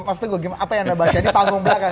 mas teguh apa yang anda baca